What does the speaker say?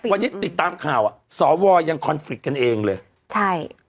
วันนี้ติดตามข่าวอ่ะสวยังคอนฟริตกันเองเลยใช่